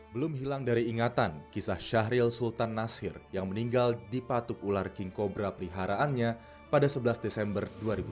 belum hilang dari ingatan kisah syahril sultan nasir yang meninggal di patuk ular king cobra peliharaannya pada sebelas desember dua ribu sembilan belas